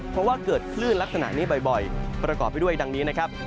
เพราะว่าเกิดคลื่นลักษณะนี้บ่อยประกอบไปด้วยดังนี้นะครับ